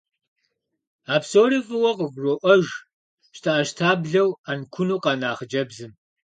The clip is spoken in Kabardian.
А псори фӏыуэ къыгуроӏуэж щтэӏэщтаблэу, ӏэнкуну къэна хъыджэбзым.